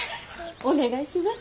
お願いします。